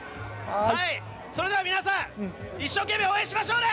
皆さん、一生懸命応援しましょうね！